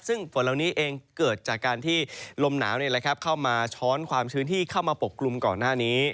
ซึ่งฝนเหล่านี้เองเกิดจากการที่ลมหนาวเข้ามาช้อนความชื้นที่เข้ามาปกกลุ่มก่อนหน้านี้